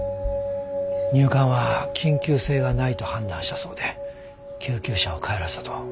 入管は緊急性がないと判断したそうで救急車を帰らせたと。